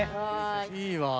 いいわぁ。